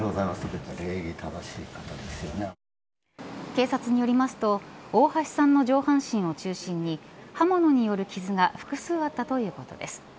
警察によりますと大橋さんの上半身を中心に刃物による傷が複数あったということです。